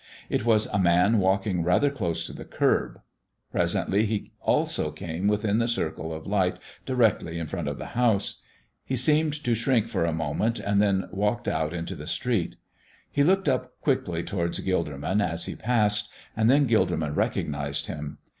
It was a man walking rather close to the curb. Presently he also came within the circle of light directly in front of the house. He seemed to shrink for a moment and then walked out into the street. He looked up quickly towards Gilderman as he passed, and then Gilderman recognized him.